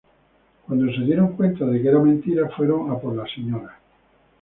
Cuando se dieron cuenta de que era mentira, fueron a por la Sra.